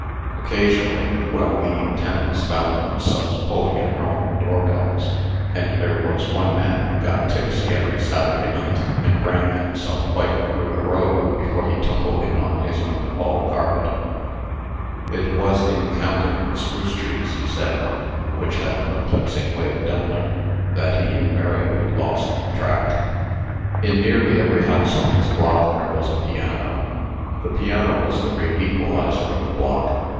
Occasionally, well meaning tenants found themselves pulling at wrong doorbells; and there was one man who got tipsy every Saturday night, and rang himself quite through the row before he tumbled in on his own hall carpet. It was in counting the spruce trees, he said, which had a perplexing way of doubling, that he invariably lost the track. In nearly every house on this block there was a piano. The piano was the great equalizer of the block.